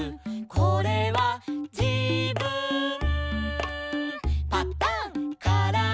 「これはじぶん」